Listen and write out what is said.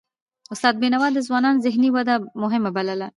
استاد بينوا د ځوانانو ذهني وده مهمه بلله.